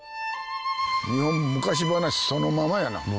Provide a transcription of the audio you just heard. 日本昔話そのままやな。